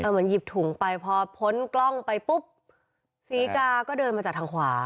เหมือนหยิบถุงไปพอพ้นกล้องไปปุ๊บศรีกาก็เดินมาจากทางขวา